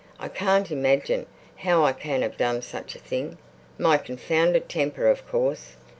I can't imagine how I can have done such a thing. My confounded temper, of course.